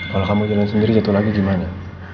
kalau kamu jalan sendiri jatuh lagi gimana